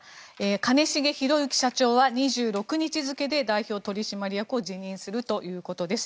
兼重宏行社長は２６日付で代表取締役を辞任するということです。